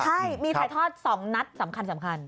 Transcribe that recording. ใช่มีถ่ายทอด๒นัดสำคัญ